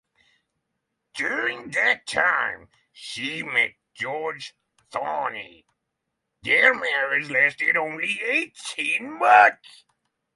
During that time she met George Tawney; their marriage only lasted eighteen months.